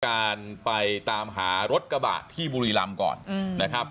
การไปตามหารถกระบะที่บุรีรำก่อนนะครับ